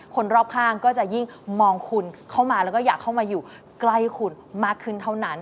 คนรอบข้างก็จะยิ่งมองคุณเข้ามาแล้วก็อยากเข้ามาอยู่ใกล้คุณมากขึ้นเท่านั้น